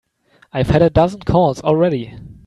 I've had a dozen calls already.